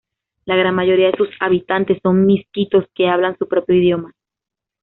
La gran mayoría de sus habitantes son misquitos que hablan su propio idioma.